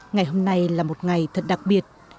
ngày hôm nay là một ngày thật đặc biệt